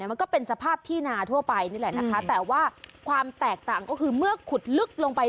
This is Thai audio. มันก็เป็นสภาพที่นาทั่วไปนี่แหละนะคะแต่ว่าความแตกต่างก็คือเมื่อขุดลึกลงไป